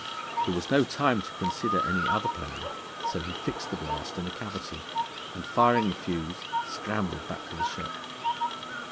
There was no time to consider any other plan, so he fixed the blast in a cavity and, firing the fuse, scrambled back to the ship.